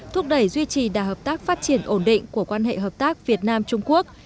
thúc đẩy duy trì đà hợp tác phát triển ổn định của quan hệ hợp tác việt nam trung quốc